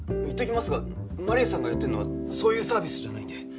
言っておきますがマリアさんがやってるのはそういうサービスじゃないんで。